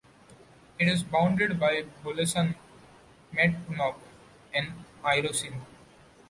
It is bounded by Bulusan, Matnog and Irosin.